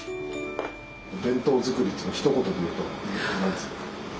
弁当作りっていうのをひと言で言うと何ですか？